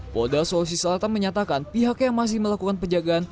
polda sulawesi selatan menyatakan pihak yang masih melakukan penjagaan